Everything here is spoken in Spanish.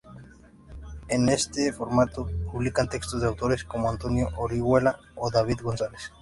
En este formato, publican textos de autores como Antonio Orihuela o David González.